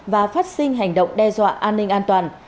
và phát sinh hành động đe dọa an ninh an toàn